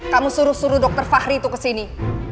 kamu suruh suruh dokter fahri itu ke sini